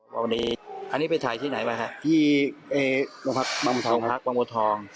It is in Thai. วันนี้อันนี้ไปถ่ายที่ไหนบ้างค่ะที่สพบางบวท